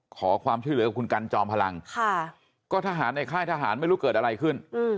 ขอความช่วยเหลือกับคุณกันจอมพลังก็ทหารในค่ายทหารไม่รู้เกิดอะไรขึ้น